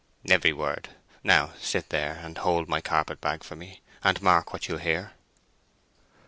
"Every word. Now sit still there, and hold my carpet bag for me, and mark what you hear."